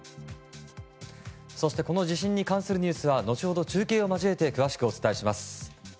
そして、この地震に関するニュースは後ほど中継を交えて詳しくお伝えします。